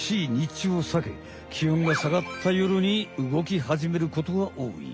ちゅうをさけ気温がさがった夜に動き始めることがおおい。